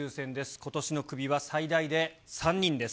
ことしのクビは最大で３人です。